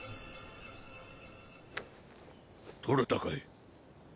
とれたかい？